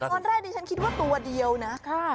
ตอนแรกดิฉันคิดว่าตัวเดียวนะ